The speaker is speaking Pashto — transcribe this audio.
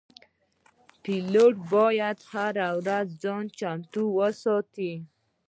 پیلوټ باید هره ورځ ځان چمتو وساتي.